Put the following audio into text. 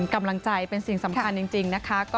กำลังใจเป็นสิ่งสำคัญจริงนะคะ